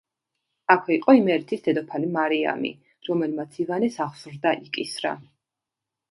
აქვე იყო იმერეთის დედოფალი მარიამი, რომელმაც ივანეს აღზრდა იკისრა.